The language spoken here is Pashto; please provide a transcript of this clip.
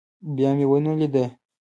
بيا مې ونه ليده.